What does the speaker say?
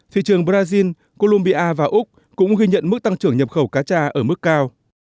thị trường brazil colombia và úc cũng ghi nhận mức tăng trưởng nhập khẩu cá trà ở mức cao